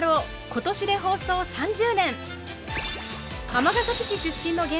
今年で放送３０年！